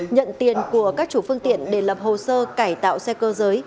nhận tiền của các chủ phương tiện để lập hồ sơ cải tạo xe cơ giới